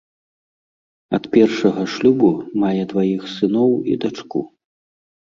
Ад першага шлюбу мае дваіх сыноў і дачку.